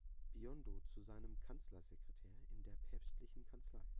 Biondo zu seinem Kanzleisekretär in der päpstlichen Kanzlei.